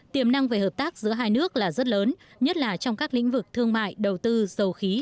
tiềm năng về hợp tác giữa hai nước là rất lớn nhất là trong các lĩnh vực thương mại đầu tư dầu khí